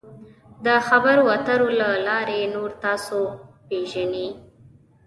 د خبرو اترو له لارې نور تاسو پیژني.